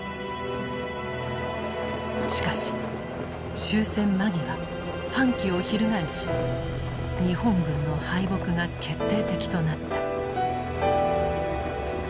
しかし終戦間際反旗を翻し日本軍の敗北が決定的となった。